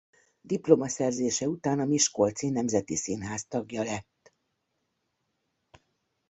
Diplomaszerzése után a Miskolci Nemzeti Színház tagja lett.